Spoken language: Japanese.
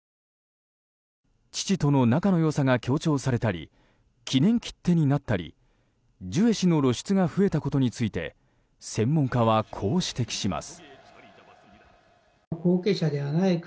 父との仲の良さが強調されたり記念切手になったりジュエ氏の露出が増えたことについて専門家はこう指摘します。